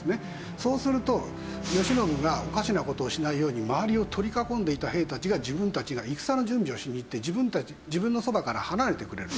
そうすると慶喜がおかしな事をしないように周りを取り囲んでいた兵たちが自分たちが戦の準備をしに行って自分のそばから離れてくれる。